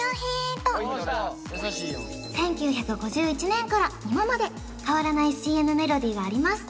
１９５１年から今まで変わらないＣＭメロディーがあります